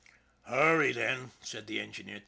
" Hurry, then/' said the engineer.